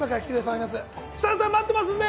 設楽さん、待ってますんで！